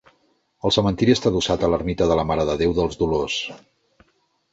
El cementiri està adossat a l'ermita de la Mare de Déu dels Dolors.